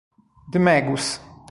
The Magus